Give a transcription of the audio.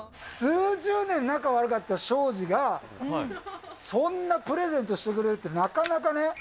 数十年、仲悪かった庄司が、そんなプレゼントしてくれるって、なかなかね。